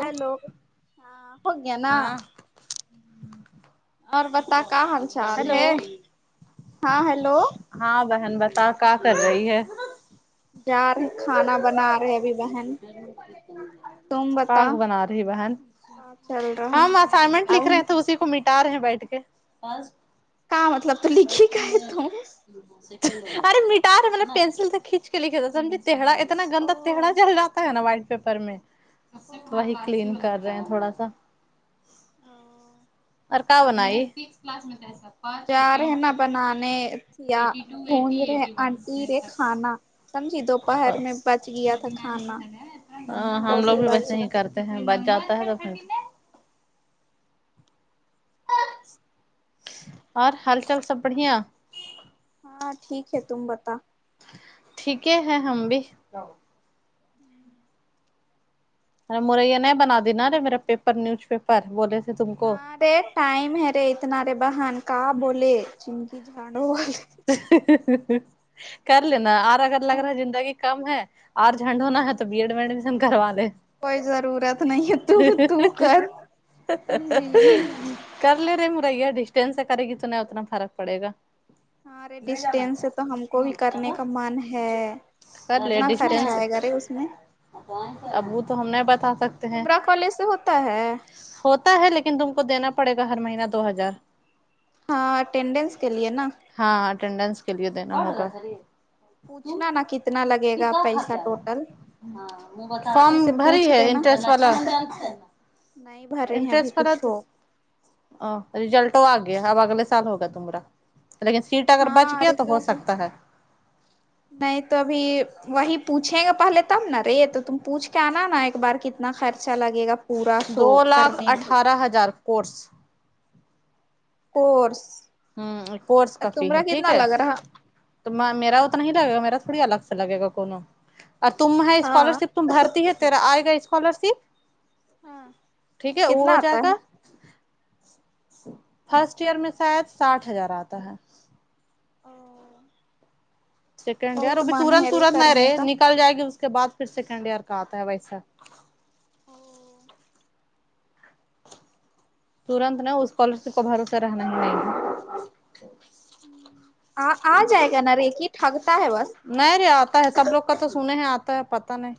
Hello ہاں ہو گیا نا ہاں اور بتا کا حال چال ہیلو ہے ہاں ہیلو ہاں بہن بتاؤ کیا کر رہی ہے جا رہے کھانا بنا رہے ابھی بہن تم پاگ بتا بنا رہی بہن کا چل رہا ہم اسائنمنٹ اب لکھ رہے ہیں تو اسی کو مٹا رہے ہیں بیٹھ کے کا مطلب تو لکھی کا ہے تم ارے مٹارے مطلب پنسل سے کھینچ کے لکھے سمجے ٹیہڑا اتنا او گندا ٹیہڑا جل جاتا ہے نا وائٹ پیپر میں وہی کلین کر رہے ہیں تھوڑا سا اور کا بنائی جا رہے نا بنانے یا گھونج رہے آنٹی رے کھانا سمجھی دوپہر میں بچ گیا تھا کھانا ہ ہم وہ لوگ بھی بچ ویسے ہی رہا کرتے ہیں بچ جاتا ہے تو پھر اور ہال چال سب بڑھیا ہاں ٹھیک ہے تم بتا ٹھیک ہی ہے ہم بھی ارے مرے یہ نہیں بنا دینارے میرا پیپر نیوز پیپر بولے تھے تم کو ہاں رے ٹائم ہے رے اتنا رے بہن کہ بولے چنکی جھاڑو والے کر لینا آر اگر لگ رہا ہے زندگی کم ہے آر جھنڈ ہونا ہے تو تو بی ایڈ میں ایڈمشن نہیں کروا دے کوئی ضرورت نہیں ہے تو تو کر سمجھی کر لے رہے موریا ڈسٹینس سے کرے گی تونا اتنا فرق پڑے گا ہاں رے نہیں جانا ڈسٹینس سے تو ہم کو بھی کرنے ہ کا من ہے کرلے کتنا خرچہ ڈسٹنس سے آئے گا رے اس میں اب وہ تو ہم نہیں بتا سکتے ہیں تمرا کالج سے ہوتا ہے ہوتا ہے لیکن تم کو دینا پڑے گا ہر مہینہ دو ہزار ہاں اٹینڈنس کے لیے نا ہاں اٹینڈینس کے لیے دینا ہوگا پوچھنا نا کتنا لگے گا پیسہ ٹوٹل فارم کسی سے بھری پوچھ ہے دینا انٹرسٹ والا نہیں بھر رہی ہیں ابھی کچھ ہو ا رجلٹ تو آ گیا اب اگلے سال ہوگا تمرا لیکن سیٹ اگر بچ ہاں گیا تو ہو رزلٹ سکتا ہے نہیں تو ابھی وہی پوچھیں گا پہلے تب نا رے تو تم پوچھ کے آنا نا نا ایک بار کتنا خرچہ لگے گا پورا سو دو لاکھ کرنے میں اٹھارہ ہزار کوورس کورس ہوں کورس کا فی تمرا ہے ٹھیک کتنا ہے لگ رہا تو م-میرا اتنا نہیں لگے گا میرا تھوڑی الگ سے لگے گا کونوں اور تم ہے اسکالر ہاں شپ تم بھرتی ہے تیرا آئے گا اسکالر شپ ٹھیک ہے وہ کتنا ہو آتا جائے گا ہے فرسٹ ایئر میں شاید ساٹھ ہزار آتا ہے او سیکنڈ ایئر اب بھی ترنت ترت نہیں کرنے رہے کا نکل جائے گی اس کے بعد پھر سیکنڈ ایئر کا آتا ہے ویسا او ترنت نا اس اسکالر شپ کو بھروسہ رہنا نہیں آ-آ جائے گا نا ریکی ٹھگتا ہے بس نہیں رے آتا ہے سب لوگ کا تو سنے ہی آتا ہے پتا نہیں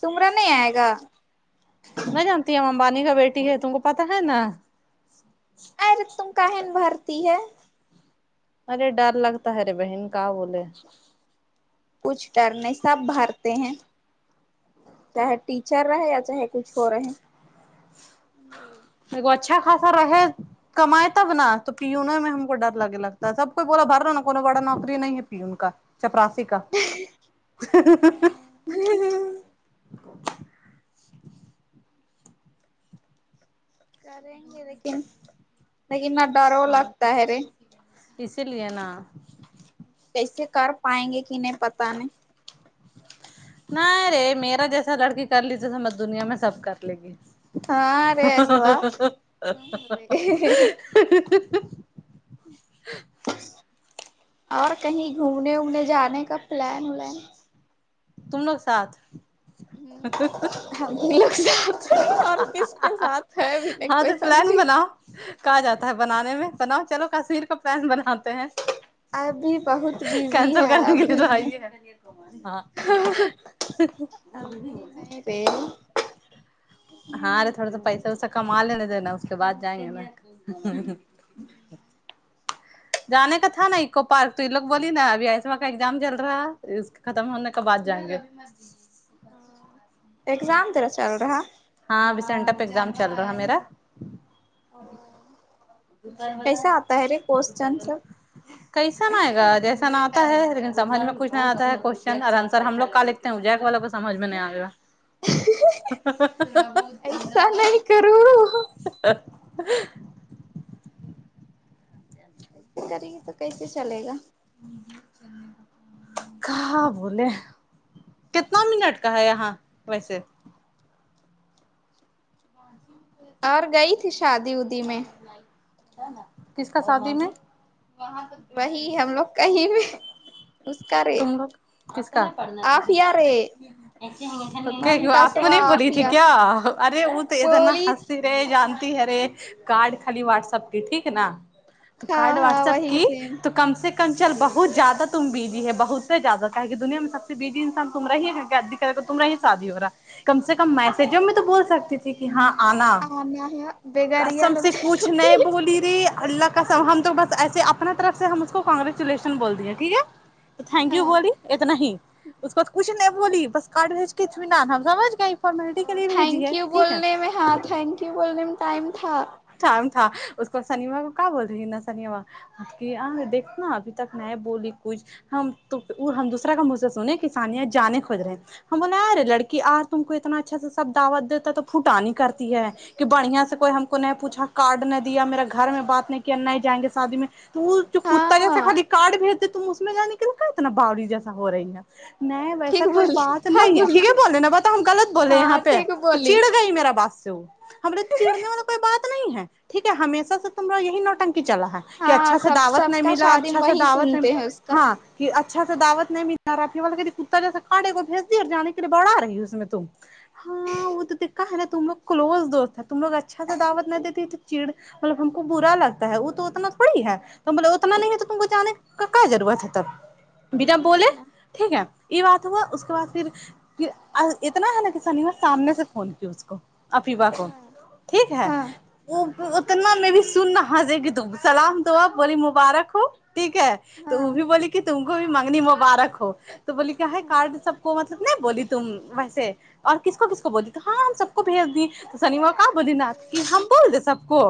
تمرا نہیں آئے گا نہ جانتی ہے ہم امبانی کا بیٹی ہے تم کو پتا ہے نا ارے تم کا ہے ن بہارتی ہے ارے ڈر لگتا ہے رے بہن کا بولے کچھ ڈر نہیں سب بھرتے ہیں چاہے ٹیچر رہے یا چاہے کچھ ہو رہے اچھا خاصا رہے کمائے تب نا تو پیونے میں ہم کو ڈر لگے لگتا سب کو بولا بھر رہو نا کو بڑا نوکری نہیں پیون کا چپراسی کا کریں گے لیکن لیکن نہ ڈر ہو لگتا ہےرے اسی لیے نا کیسے کر پائیں گے کہ نی پتاہ نی نیں رے میرا جیسا لڑکی کر لی جیسا م دنیا میں سب کر لے گی [inaudible] ہاں رے ایسوا تم رے اور کہیں گھومنے وومنے جانے کا پلان ولان تم لوگ ساتھ لوگ اور کس کے [unintelligible] ساتھ ہےب نے ہاں کوئی تو پلان سمجھی بناؤ کہا جاتا ہے بنانے میں بناؤ چلو کشمیر کو پلان بناتے ہیں ابھی بہت بزی کینسل ہے کرنے کے لیے ابھی تو نہیں آئی ہے ہاں نہ [inaudible] یں پ ہاں ارے تھوڑا سا پیسہ وسا کما لنے دینا اس کے بعد جائیں گے جانے کا تھا نا اکو پارک تو یہ لوگ بولی نا ابھی ایسما کا ایگزام چل رہا ہے اس ختم ہونے کے بعد جائیں گے [unintelligible] ہاں اگزام تیرا چل رہا ہاں وسنٹا پگزام چل رہا ہے میرا کیسا آتا ہے رے کوشچن سب [unintelligible] کیسن آئے گا جیسن نہ آتا ہے لیکن سمجھ میں کچھ نہ آتا ہے کوشچن اور آنسر ہم لو کال جیک والا کو سمجھ میں نہیں آیا [inaudible] ایسا نہیں کرو [inaudible] ای [unintelligible] ے کرے گی تو کیسے چلے گا کہاں بولے کتنا منٹ کا ہے یہاں ویسے اور گئی تھی شادی ودی میں کس کا شادی میں وہی ہم لوگ کہیں بھی اسس کرے تم [unintelligible] تو من تسوا آفیہ اتنا بولی ہنستی رے جانتی ہے رے کارڈ خالی واٹسپ کی ٹھیک ہے نا ہاں کارڈ ہاں واٹس ایپ وہی کی سیم تو کم سے کم چل بہت زیادہ تم بجی ہو بہت سے زیادہ کہ کہ دنیا میں سب سے بزی انسان تم رہی ہے تمہرہ ہاں ہی ہاں شادی ہو رہا کم سے کم میسجوں میں تو بول سکتی تھی کہ ہاں آنا [unintelligible] دیدی اللہ کاسم ہم تو بس ایسے ہی اپنا طرف سے ہم اس کو کانگریچولیشن بول دی ہیں ٹھیک ہے تھینک یو ہاں بولی اتنا ہی اس کو کچھ نہیں بولی بس کاڈ بھیج کے امیینان ہم سمجھ گئے فارمیلٹی کے لیے تھینک بھیجی ہے یو ٹھیک ہے بولنے میں ہاں تھینک یو بولنے میں ٹائم تھا ٹائم تھا اس کو سنیما کو کیا بول رہی ہے نا سنیما کہ آ دیکھناا ابھی تک نہیں بولی کچھ ہم تو ہم دوسرا کا منہ سے سنے سانیہ جانے کھج رہے ہیں ہم ارے لڑکی آر تم کو اتنا اچھا سے سب دعوت دیتا تو فھوٹاانی کرتی ہے کہ بڑھیا سے کوئی ہم کو نہیں پوچھا کارڈ نہیں دیا میرا گھر میں بات نہیں کیا نہیں ہی جائیں گے شادی میں تو جو کتا جیسا ہاں خالی کاٹ بھیج د تم اس میں جا نکل کا اتنا باوری جیسا ہو رہی ہے نہیں ویسا ٹھیک کوئی بولی بات ہاں نہیں ہے بولی ٹھیک ہے بولے نا بتا ہم غلط بولے یہاں ہاں پہ ٹھیک تو بولی چڑ گئی میرا بات سے وہ ہمے چڑنے والا کوئی بات نہیں ہے ٹھیک ہے ہمیشہ سے یہی نوٹنکی چلا ہے کہ ہاں اچھا سے سب دعوت سب نہیں کا ملا شادی میں اچھا سے وہی دعوت نہیں سنتے ہیں اس کا ہاں کہ اچھا سے دعوت نہیں مل رہا پ کتا جیسے کانڈے کو بھیج دییا اور جانے لیے بڑھا رہی ہے اس میں تم ہاں وہ تو دکھھا ہے نا تم لوگ کلوز دوست ہے تم لوگ اچھا سا دعوت نہ دیتی چڑ مطلب ہم کو برا لگتا ہے وہ تو اتنا تھوڑی ہے تو بول اتنا نہیں ہے تو تم کو جاننے کا کا ضورت بنا بول وہی نا ٹھیک ہے یہ بات ہوا اس کے بعد پھر پھر اتنا ہے نا ک سانیا نے سامنے سے فون کیا اس کو عفیفہ کو ہاں ٹھیک ہے ہاں وہ اتنا میں بھی سن حسے گی تو سلام دعا بولی مبارک ہو ٹھیک ہے تو وہ ہاں بھی بولی کہ تم کو بھی مانگنی مبارک ہو تو بولی کیا ہے کارڈ سب کو مطلب نہیں بولی تم ویسے اور کس کو کس کو بول دی تو ہاں ہم سب کو بھیج دیے تو سنیمار کا بد ناتھ کہ ہم بول دے سب کو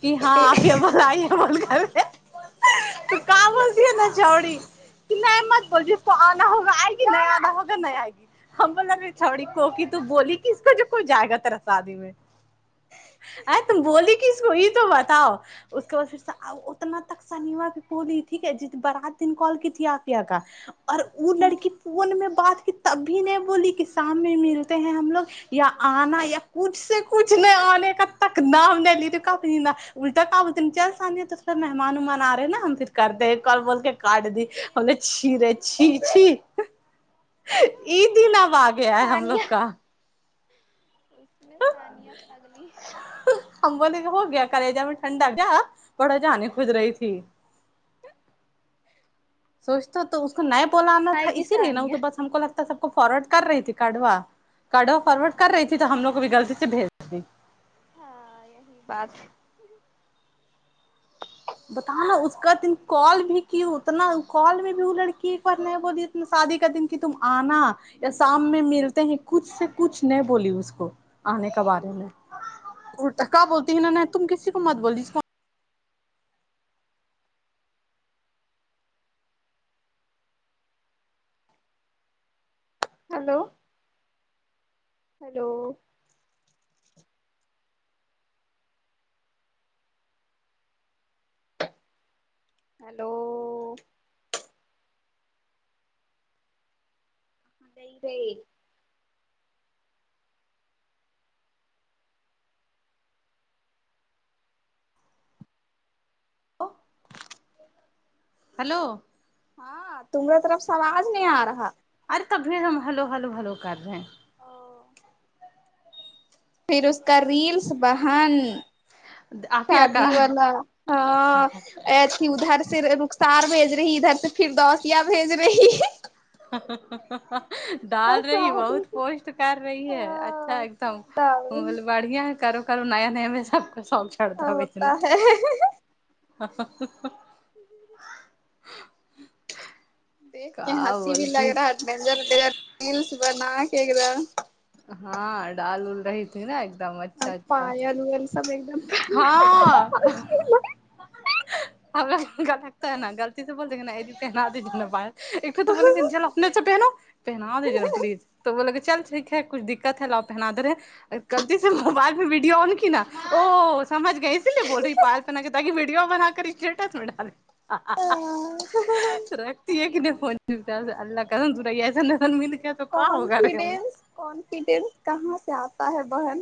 کہ ہاں آپ ابول آئی اول کر [inaudible] تو کہاں بولتی ہے نا چوڑی نہیں مت بول جس کو آنا ہوگا آئے گی ن آنا ہوگا ن آئے گی ہم بول چھوڑی کوکی تو بولی کس کو جو کوی جائے گا تری سادی میں اے تم بولی کس کو یہ تو بتاؤ اس کے بعد پھر اتنا تک سنیما کی کولی ٹیک ہے برات دن کال کی تھی آفیا کا اور وہ لڑکی فون میں بات کی تب بھی نہیں بولی کہ سام میں ملتے ہیں ہم لوگ یا آنا یا کچھ سے کچھ سے نہ آنے کا تک نام نہیں لی کنی الٹا کیا بولتی چل سانیا تو پھر مہمان وہمان آ رہے نا ہم پھر کرتے کال بول کے کاٹ دی ہمنے چھییر ہے چھی چھی عی دن اب آ اس میں گیا ہے ہم لوگ ثانیہ کا اس میں ثانیا پگلی ہم بولے ہو گیا کلیجے میں ٹھنڈا کیا بڑا جانی کود رہی تھی سوچتا تو اس کو کا نیا منہ بولانا دکھائے تھا گی اسی لیے نہ ثانیہ تو بس ہم کو لگتا سب فارورڈ کر رہی تھی کاڈوا کاڈوا فارورڈ ہاں کر رہی تھی تو ہم لوگ کو بھی غلطی سے بھیج دی ہاں یہی بات بتا ہے اس کا تین کال بھی کیں اتنا کال میں بھی وہ لڑکی ایک بار نہیں بولی شادی کا دن کہ تم آنا یا شام میں ملتے ہیں کچھ سے کچھ نہیں بولی اس کو آنے کا بارے میں الٹا کہ بولتی ہے ن نہیں تم کسی کو مت بوللی ہیلو ہلو ہیلو نہیںی گئے ہلو ہاں تمرے طرف سے آواز نہیں آ رہا ارے تبھی ہم ہلو ہلو ہلو کر رہے ہیں او پھر اس کا ریلس بہن ہیں آفیہ شادی کا والا ہاں ا کہ ادھر سے ر-رخسار بھیج رہی ادھر سے پھر دوسیا بھیج رہی ہ ه ہ ہ ہ اس کا ڈال رہی بہت صادق پوسٹ کر رہی ہے اچھا ایک دم مگل باڑی یہہ کرو کرو نیا نیا میں سب کچھ س ہاؤ ہوتا ہے ہ ہ ہ دیکھ کے کا ہنسی بھی لگ بولتی رہا ہے ڈینجر د ریلس بنا کے ایک د ہاں ڈال وول رہی تھی نا ایک دم اچھا اچھا پایل ویل سب ایک دم ہاں ہم گنکتا ہے نا غلطی سے بولتے ہیں اے جی پہنا دی جائے نہ پیال [unintelligible] چا پہنو پہنا دجیے نا پلیز تو وہ لگے چل ٹھیک ہے کچھ دقت ہے لاو پہنا دے رہے غلطی سے موبائل میں ویڈیو آن کی نا او سمج گئے اسی لیے بول رہی پال بنا کے تاکی ویڈیو بنا کر سٹیٹس میں ڈالیں آ آ آ رکھتی ہے کہ پہنتا اللہ کرا ایسا ن [unintelligible] کانفیڈینس کانفیڈینس کہاں سے آتا ہے بہن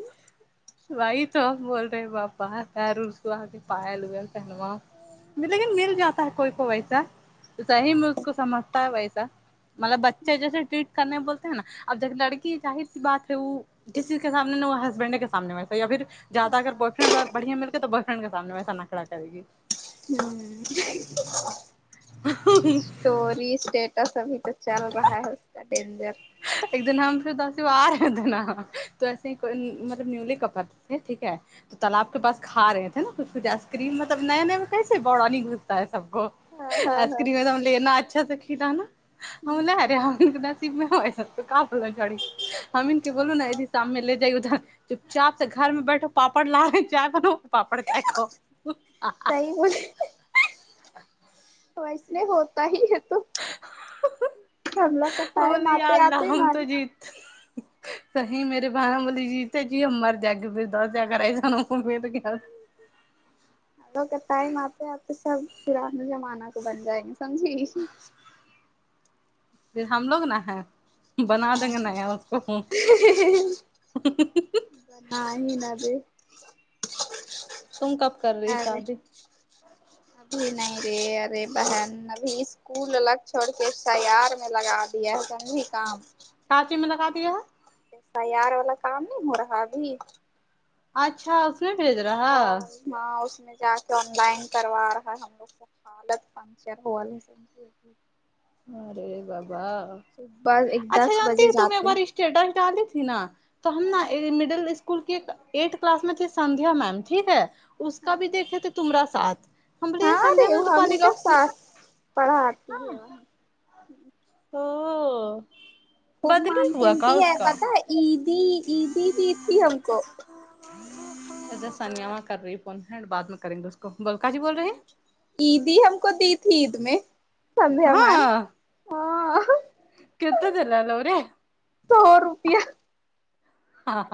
وہی تو ہم بول رہے وہاں رولز وہاں پیال گل پہنوا لیکن مل جاتا ہے کوئی کو ویسا تو صحیح میں اس ہاں کو سمجھتا ہے ویسا مطلب بچے جیسے ٹریٹ کرنے بولتے ہیں نا اب جب لڑکی ظاہر سی بات ہے او کسی کے سامنے نا وہ ہسبینڈ کے سامنے ویسا یا فیر زیادہ اگر ہاں بویفریند بڑیا مل گئے تو بویفرینڈ ک سامنے ویسا نخرہ کرے گی آمم ہ ہ ہ تو ریسٹیٹس ابھی تو چل رہا ہے اس کا ڈینجر ایک دن ہم [unintelligible] وہ آ رہے تھے نا تو اسے کوئی مطلب نیولی کپل ٹھیک ہے تو تالاب کے پاس کھا رہے تھے نا کچ کچھ آئس کریم مطلب نئے ہاں ہاں ہاں نئے [unintelligible] ہونا صحیح ارے ہر ایک کے نصیب میں ہو تو کا بولا گاڑی [unintelligible] سامنے لے جایے ادھر چپ چاپ سے گھر میں بیٹھو پاپڑ لا رہے چائے بناو پاپڑ چائے کھاؤ سہی بولے تو ویس لیے ہوتا ہی ہے تو ہم لوگ کا ٹائم آتے آتے نہ ئ یت سہی میرے بھایا بولے جی تے جی ہم مرجاینگے [unintelligible] ہم لوگ تائم آتے آتے سب پرانے زمانہ کو بن جائیں گیے سمجی ہم لوگ نا ہے بنا دیں ہاں گے نیا اس کو نہیں نابے تم کب کر رہی شادی ابھی نہیں رے ارے بہن ابھی کول الگ چھوڑ کے سیار میں لگا دیا ہے سمجھی کام کاچی میں لگا دیا ہے ایس ای یار والا کام نہیں ہو رہا ابھی اچھا اس میں بھیج رہا اور ہاں اس میں جا کے آن لائن کروا رہا ہے ہم لوگ کو [unintelligible] ارے بابا صبح ایک اچھا دس جانتی بجے تم ایک جاتے ہیں بار اسٹیٹس ڈالی تھی نا تو ہم نا ہاں مڈل اسکول کے ایٹھ کلاس میں تھے سدھیا میم ٹھیک ہے اس کا ہاں بھی دیکھے تھے تمرا ساتھ ہم بولی ہاں سدیا ریو میم تو ہم ہی پولی لوگ [unintelligible] ساتھ پڑھاتی ہے وہاں او خوب بدلی مان ہوا کا سنتی اس ہے کا پتہ ہے عیدی عیدی دی جیے ہم کو اچا سندھیا میم کر رہی فون بعد میں کریں گے اس کو بول کا جی بول رہی عیدی ہم کو دی تھی عید میں سندیا ہیں میم ہاں کتنا دلال ہو رہے. سو روپیہ [unintelligible]